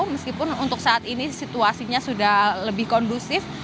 meskipun untuk saat ini situasinya sudah lebih kondusif